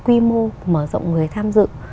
quy mô mở rộng người tham dự